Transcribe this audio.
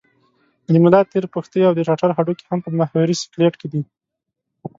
د ملا تیر، پښتۍ او د ټټر هډوکي هم په محوري سکلېټ کې دي.